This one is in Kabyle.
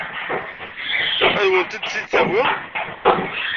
Ad wen-tent-id-tawi?